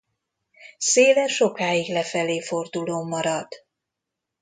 Széle sokáig lefelé forduló marad.